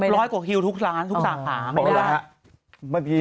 ร้อยกว่าฮิลทุกร้านทุกสาขาหมดละครับบอกแล้ว